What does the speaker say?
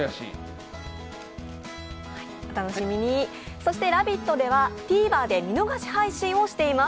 そして「ラヴィット！」ではＴＶｅｒで見逃し配信をしています。